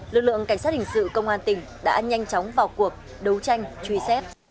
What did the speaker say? lực lượng cảnh sát hình sự công an tỉnh đã nhanh chóng vào cuộc đấu tranh truy xét